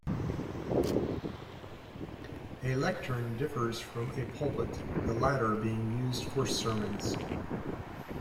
A lectern differs from a pulpit, the latter being used for sermons.